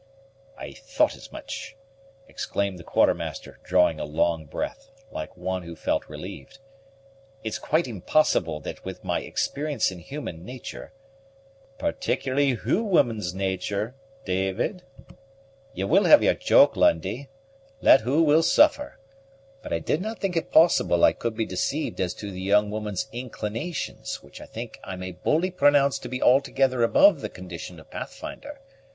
"I thought as much!" exclaimed the Quartermaster, drawing a long breath, like one who felt relieved; "it's quite impossible that with my experience in human nature " "Particularly hu woman's nature, David." "Ye will have yer joke, Lundie, let who will suffer. But I did not think it possible I could be deceived as to the young woman's inclinations, which I think I may boldly pronounce to be altogether above the condition of Pathfinder.